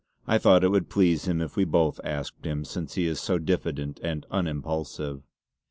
I thought it would please him if we both asked him, since he is so diffident and unimpulsive!"